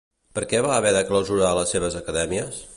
Per què va haver de clausurar les seves acadèmies?